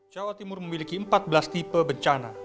jawa timur memiliki empat belas tipe bencana